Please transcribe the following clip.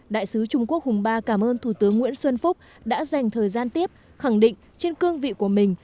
đại sứ trung quốc hùng ba cảm ơn thủ tướng nguyễn xuân phúc đã dành thời gian tiếp khẳng định trên cương vị của mình